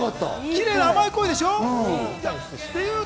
キレイな甘い声でしょ。